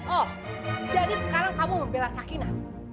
oh jadi sekarang kamu membela sakina